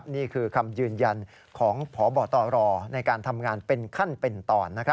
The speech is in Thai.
นี่คือคำยืนยันของพบตรในการทำงานเป็นขั้นเป็นตอน